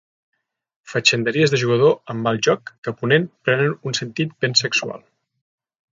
Fatxenderies de jugador amb mal joc que a Ponent prenen un sentit ben sexual.